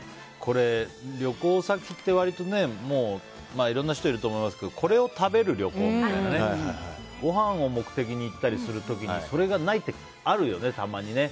旅行先って割とねいろんな人いると思いますけどこれを食べる旅行みたいなねごはんを目的に行ったりする時にそれがないってあるよね、たまに。